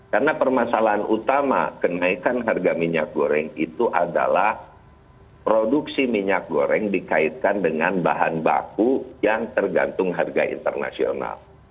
karena permasalahan utama kenaikan harga minyak goreng itu adalah produksi minyak goreng dikaitkan dengan bahan baku yang tergantung harga internasional